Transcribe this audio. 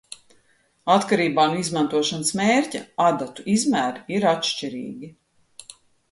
Atkarībā no izmantošanas mērķa, adatu izmēri ir atšķirīgi.